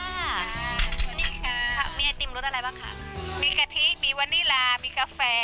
สวัสดีค่ะมีไอติมรสอะไรบ้างคะมีกะทิมีวานิลามีกาแฟ